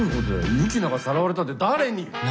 ユキナがさらわれたって誰に！？